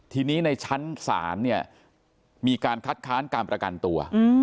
ทีนี้ในชั้นศาลเนี่ยมีการคัดค้านการประกันตัว